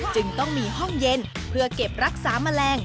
จึงต้องมีห้องเย็นเพื่อเก็บรักษาแมลง